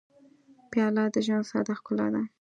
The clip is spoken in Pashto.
پیاله د ژوند ساده ښکلا ده.